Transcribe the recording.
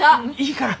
いいから。